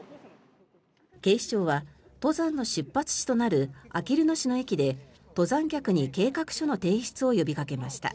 警視庁は、登山の出発地となるあきる野市の駅で登山客に計画書の提出を呼びかけました。